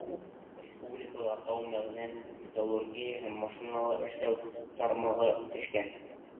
Республикала тау-мәғҙән, металлургия һәм машиналар эшләү тармағы үҫешкән.